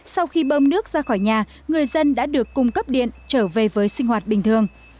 sau khi bơm nước ra khỏi nhà người dân đã được cung cấp điện trở về với sinh hoạt bình thường